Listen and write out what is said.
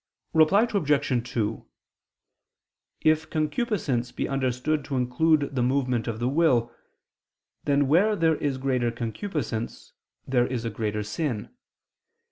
Reply Obj. 2: If concupiscence be understood to include the movement of the will, then, where there is greater concupiscence, there is a greater sin.